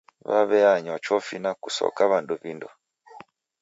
W'aw'eanywa chofi na kusoka w'andu vindo.